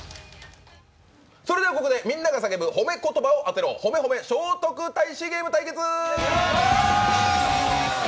それではここでみんなが叫ぶ褒め言葉を当てろ「ほめほめ聖徳太子ゲーム」対決！